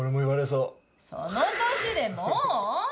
その歳でもう？